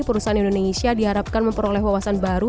perusahaan indonesia diharapkan memperoleh wawasan baru